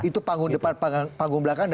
itu panggung depan panggung belakang